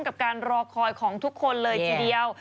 กับการรอคอยของทุกคนเลยทีเดียว